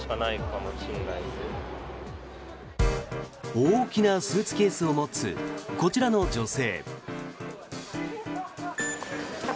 大きなスーツケースを持つこちらの女性。